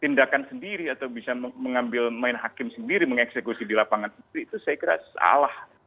tindakan sendiri atau bisa mengambil main hakim sendiri mengeksekusi di lapangan itu saya kira salah